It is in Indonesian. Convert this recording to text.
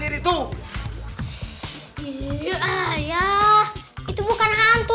itu bukan hantu